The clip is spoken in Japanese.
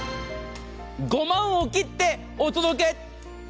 ５万を切ってお届け！